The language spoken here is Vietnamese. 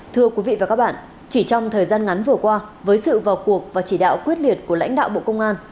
thưa quý vị và các bạn chỉ trong thời gian ngắn vừa qua với sự vào cuộc và chỉ đạo quyết liệt của lãnh đạo bộ công an